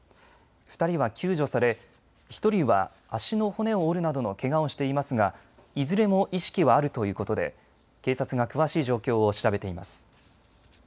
２人は救助され１人は足の骨を折るなどのけがをしていますがいずれも意識はあるということで警察が詳しい状況を調べています。